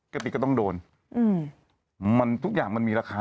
ติก็ต้องโดนอืมมันทุกอย่างมันมีราคา